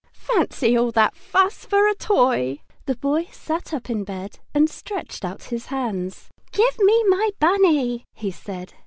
"Fancy all that fuss for a toy!" The Boy sat up in bed and stretched out his hands. "Give me my Bunny!" he said.